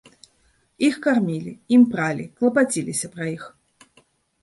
Іх кармілі, ім пралі, клапаціліся пра іх.